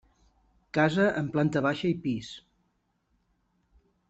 Casa amb planta baixa i pis.